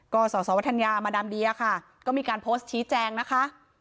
ก็สสวัทยามาดามเดียค่ะก็มีการโพสต์ชี้แจงนะคะ